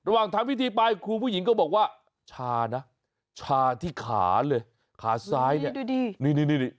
ทำพิธีไปครูผู้หญิงก็บอกว่าชานะชาที่ขาเลยขาซ้ายเนี่ยดูดินี่นี่